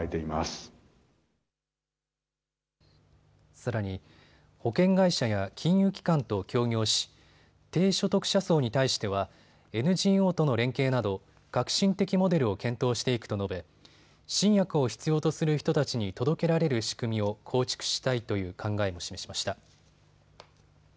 さらに、保険会社や金融機関と協業し低所得者層に対してはＮＧＯとの連携など革新的モデルを検討していくと述べ新薬を必要とする人たちに届けられる仕組みを構築したいという考えを示しました。